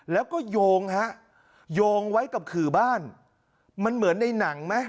แล้วก็โยงฮะโยงไว้กับขื่อบ้านมันเหมือนในหนังไหม